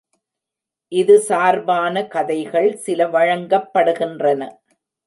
இது சார்பான கதைகள் சில வழங்கப் படுகின்றன.